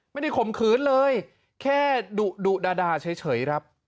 ไม่ได้คมขืนเลยแค่ดุดุดาดาเฉย